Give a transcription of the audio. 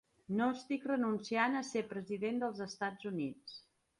I no estic renunciant a ser president dels Estats Units.